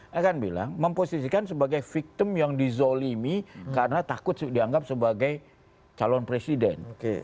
dia kan bilang memposisikan sebagai victim yang dizolimi karena takut dianggap sebagai calon presiden